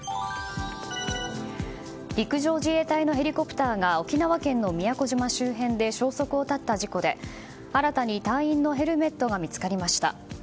陸上自衛隊のヘリコプターが沖縄県の宮古島周辺で消息を絶った事故で新たに隊員のヘルメットが見つかりました。